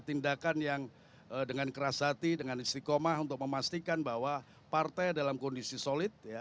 tindakan yang dengan keras hati dengan istiqomah untuk memastikan bahwa partai dalam kondisi solid